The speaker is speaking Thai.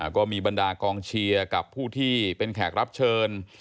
ก็มีบรรดากองเชียร์กับผู้ที่เป็นแขกรับเชิญ